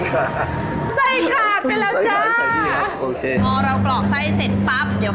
มันไม่ง่ายครับ